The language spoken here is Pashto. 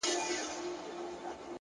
حقیقت د وخت ملګری دی,